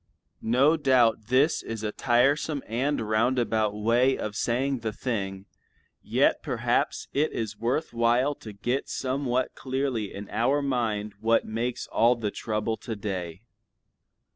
No doubt this is a tiresome and roundabout way of saying the thing, yet perhaps it is worth while to get somewhat clearly in our mind what makes all the trouble to day.